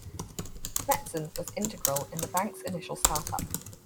Metzen was integral in the bank's initial startup.